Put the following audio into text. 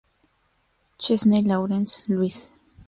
Chesney Lawrence, Luis.